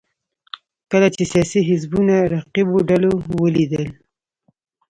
کله چې سیاسي حزبونو رقیبو ډلو ولیدل